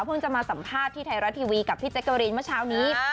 จะมาสัมภาษณ์ที่ไทยรัฐทีวีกับพี่แจ๊กเกอรีนเมื่อเช้านี้